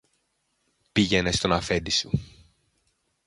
Πήγαινε στον αφέντη σου